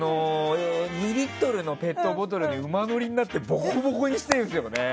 ２リットルのペットボトルに馬乗りになってボコボコにしてるんですよ。